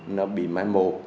nó bị mái mô